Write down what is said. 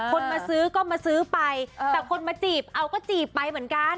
คนมาซื้อก็มาซื้อไปแต่คนมาจีบเอาก็จีบไปเหมือนกัน